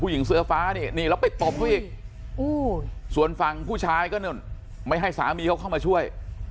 หญิงเสื้อฟ้านี่นี่แล้วไปตบเขาอีกส่วนฝั่งผู้ชายก็นู่นไม่ให้สามีเขาเข้ามาช่วย